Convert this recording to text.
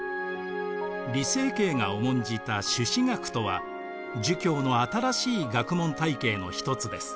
李成桂が重んじた朱子学とは儒教の新しい学問体系の一つです。